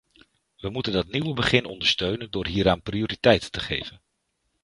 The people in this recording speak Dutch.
Wij moeten dat nieuwe begin ondersteunen door hieraan prioriteit te geven.